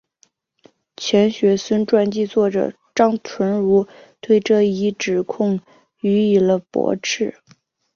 钱学森传记作者张纯如对这一指控予以了驳斥。